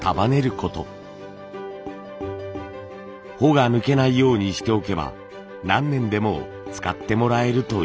穂が抜けないようにしておけば何年でも使ってもらえるといいます。